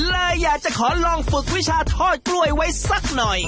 เลยอยากจะขอลองฝึกวิชาทอดกล้วยไว้สักหน่อย